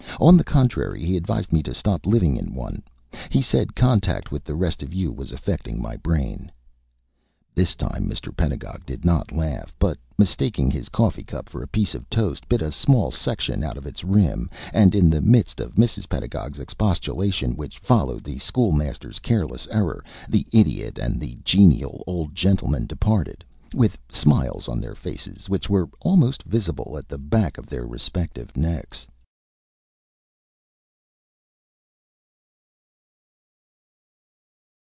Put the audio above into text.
"On the contrary. He advised me to stop living in one. He said contact with the rest of you was affecting my brain." This time Mr. Pedagog did not laugh, but mistaking his coffee cup for a piece of toast, bit a small section out of its rim; and in the midst of Mrs. Pedagog's expostulation, which followed the School Master's careless error, the Idiot and the Genial Old Gentleman departed, with smiles on their faces which were almost visible at the back of their respective necks.